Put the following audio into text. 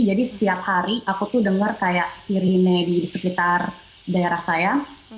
jadi setiap hari aku tuh dengar kayak sirine di sekitar daerah saya